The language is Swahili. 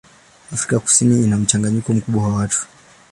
Afrika Kusini ina mchanganyiko mkubwa wa watu.